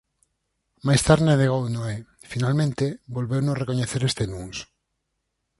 Máis tarde negouno e, finalmente, volveuno recoñecer este luns.